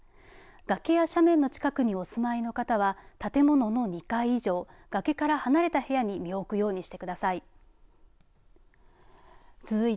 崖や斜面の近くにお住まいの方は建物の２階以上、崖から離れた部屋に身を置くようにしてください。